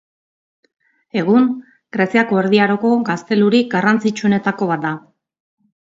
Egun, Greziako Erdi Aroko gaztelurik garrantzitsuenetako bat da.